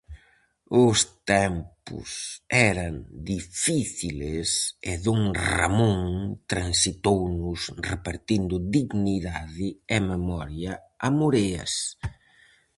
Os tempos eran difíciles e don Ramón transitounos repartindo dignidade e memoria a moreas.